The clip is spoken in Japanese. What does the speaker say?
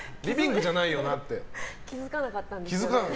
気づかなかったんですよ。